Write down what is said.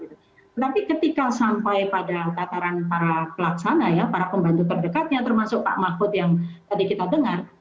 tapi ketika sampai pada tataran para pelaksana ya para pembantu terdekatnya termasuk pak mahfud yang tadi kita dengar